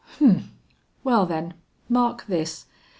"Humph! Well then, mark this.